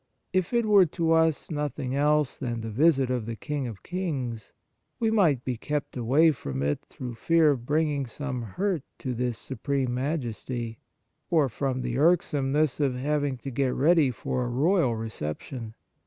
If it were to us nothing else than the visit of the King of kings, we might be kept away from it through fear of bringing some hurt to this supreme Majesty, 82 Holy Communion or from the irksomeness of having to get ready for a royal reception.